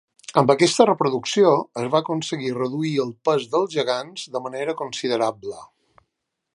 Amb aquesta reproducció es va aconseguir reduir el pes dels gegants de manera considerable.